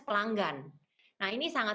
pelanggan nah ini sangat